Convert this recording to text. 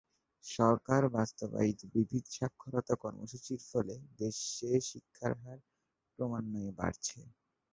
সরকার বাস্তবায়িত বিবিধ সাক্ষরতা কর্মসূচীর ফলে দেশে শিক্ষার হার ক্রমান্বয়ে বাড়ছে।